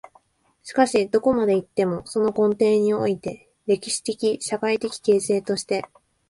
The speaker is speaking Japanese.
しかしどこまで行っても、その根底において、歴史的・社会的形成として、